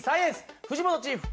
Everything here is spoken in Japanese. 藤本チーフ